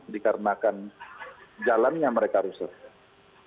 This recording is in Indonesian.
dikarenakan jalan yang mereka harus jalan